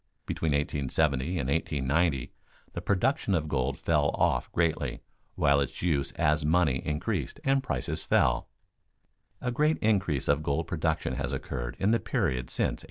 Between 1870 and 1890 the production of gold fell off greatly while its use as money increased and prices fell. A great increase of gold production has occurred in the period since 1890.